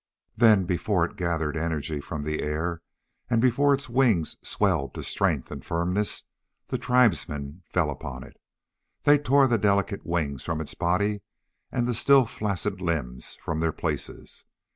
Then, before it gathered energy from the air and before its wings swelled to strength and firmness, the tribesmen fell upon it. They tore the delicate wings from its body and the still flaccid limbs from their places.